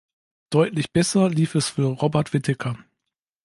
Deutlich besser lief es für Robert Whitaker.